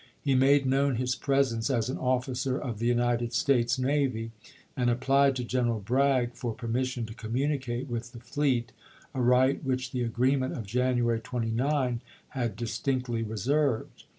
He made known his presence as an officer of the United States navy, and applied to General Bragg for permission to communicate with the fleet, a right which the "agreement" of January 29 had distinctly reserved.